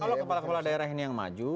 kalau kepala kepala daerah ini yang maju